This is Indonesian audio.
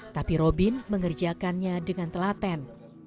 tapi robin mengerjakannya dengan telaten